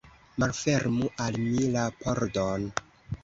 Malfermu al mi la pordon!